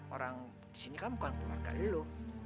orang disini kan bukan keluarga lo